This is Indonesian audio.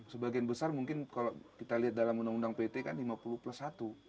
sebagian besar mungkin kalau kita lihat dalam undang undang pt kan lima puluh plus satu